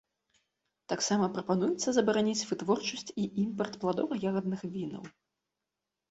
Таксама прапануецца забараніць вытворчасць і імпарт пладова-ягадных вінаў.